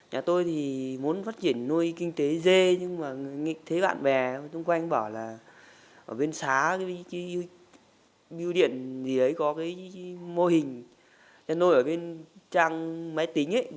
nhà tôi thì muốn phát triển nuôi kinh tế dê nhưng mà thấy bạn bè xung quanh bảo là ở bên xá cái bưu điện gì đấy có cái mô hình để nuôi ở bên trang máy tính ấy